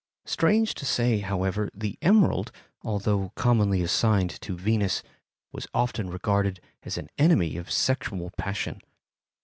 Strange to say, however, the emerald, although commonly assigned to Venus, was often regarded as an enemy of sexual passion.